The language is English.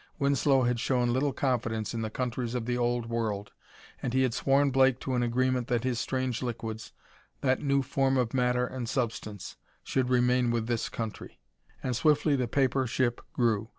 Winslow had shown little confidence in the countries of the old world, and he had sworn Blake to an agreement that his strange liquids that new form of matter and substance should remain with this country. And swiftly the paper ship grew.